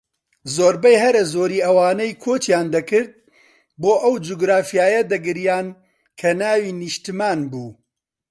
زۆربەی هەرە زۆری ئەوانەی کۆچیان دەکرد بۆ ئەو جوگرافیایە دەگریان کە ناوی نیشتمان بوو